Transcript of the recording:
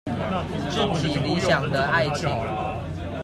自己理想的愛情